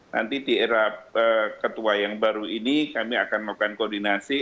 nanti di era ketua yang baru ini kami akan melakukan koordinasi